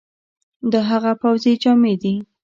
دا هغه پوځي جامي دي،